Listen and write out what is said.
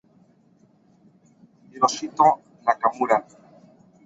Hirohito Nakamura